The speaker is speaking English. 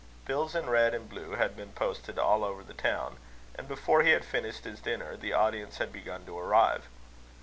Bills in red and blue had been posted all over the town; and before he had finished his dinner, the audience had begun to arrive.